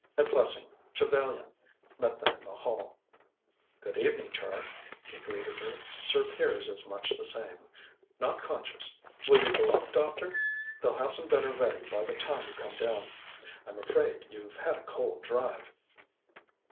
At Plessing, Trevellyan met them in the hall. "Good evening, Char," he greeted her. "Sir Piers is much the same. Not conscious. Will you go up, doctor? They'll have some dinner ready by the time you come down. I'm afraid you've had a cold drive."